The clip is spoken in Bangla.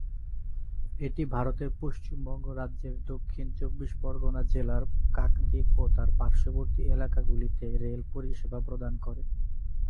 এটি ভারতের পশ্চিমবঙ্গ রাজ্যের দক্ষিণ চব্বিশ পরগনা জেলার কাকদ্বীপ ও তার পার্শ্ববর্তী এলাকাগুলিতে রেল পরিষেবা প্রদান করে।